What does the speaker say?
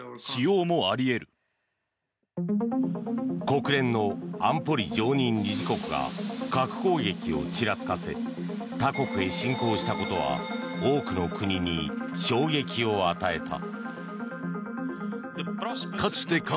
国連の安保理常任理事国が核攻撃をちらつかせ他国に侵攻したことは多くの国に衝撃を与えた。